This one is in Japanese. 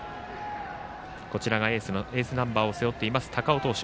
エースナンバーを背負っています高尾投手。